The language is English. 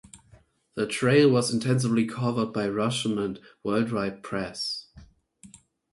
The trial was intensely covered by Russian and worldwide press.